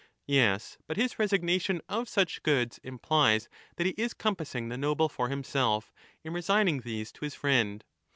Yes : but his resignation of such goods implies that he is compassing the noble for himself in resigning these to his friend.